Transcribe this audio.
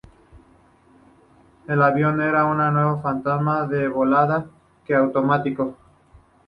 El avión era una nave fantasma que volaba en automático.